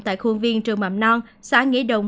tại khuôn viên trường mạm non xã nghĩa đồng